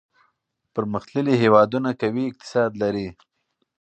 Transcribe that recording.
پرمختللي هېوادونه قوي اقتصاد لري.